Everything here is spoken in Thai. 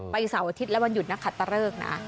เสาร์อาทิตย์และวันหยุดนักขัดตะเริกนะ